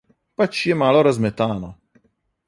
Pač je malo razmetano.